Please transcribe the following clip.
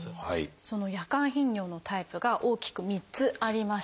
その夜間頻尿のタイプが大きく３つありまして